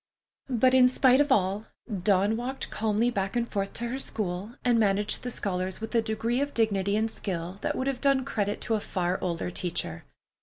But in spite of all, Dawn walked calmly back and forth to her school, and managed the scholars with a degree of dignity and skill that would have done credit to a far older teacher.